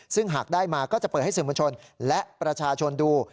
ซึ่งหากได้มาก็จะเปิดให้สื่อมวลชนและประชาชนดู